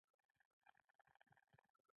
له هر میدان څخه بریالی راځي.